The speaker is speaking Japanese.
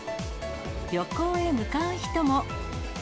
旅行へ向かう人も。